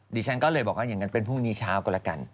ดิฉันก็เลยบอกว่าอย่างนั้นเป็นพรุ่งนี้เช้าก็แล้วกัน